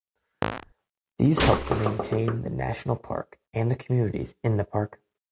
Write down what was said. These help to maintain the national park and the communities in the park.